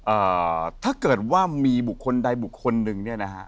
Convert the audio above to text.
เอ่อถ้าเกิดว่ามีบุคคลใดบุคคลหนึ่งเนี่ยนะฮะ